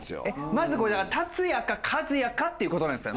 まずこれだから達也か和也かっていうことなんですね？